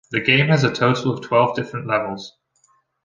The game has a total of twelve different levels.